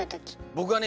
僕はね